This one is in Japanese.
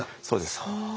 そうです。